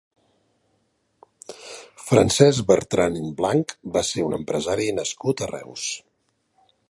Francesc Bertran Blanch va ser un empresari nascut a Reus.